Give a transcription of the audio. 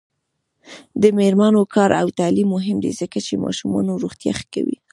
د میرمنو کار او تعلیم مهم دی ځکه چې ماشومانو روغتیا ښه کو.